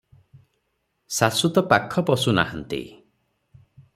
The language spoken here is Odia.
ଶାଶୁ ତ ପାଖ ପଶୁ ନାହାନ୍ତି ।